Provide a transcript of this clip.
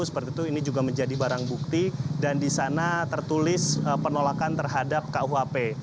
seperti itu ini juga menjadi barang bukti dan di sana tertulis penolakan terhadap kuhp